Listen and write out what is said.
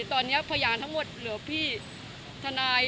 ตอนนี้พยานทั้งหมดเหลือพี่ทนาย